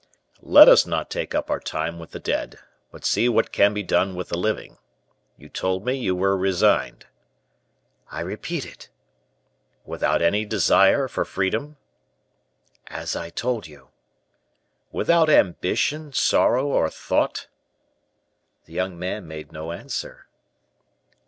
"Let us not take up our time with the dead, but see what can be done with the living. You told me you were resigned." "I repeat it." "Without any desire for freedom?" "As I told you." "Without ambition, sorrow, or thought?" The young man made no answer.